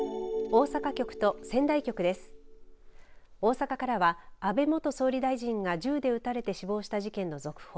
大阪からは、安倍元総理大臣が銃で撃たれて死亡した事件の続報。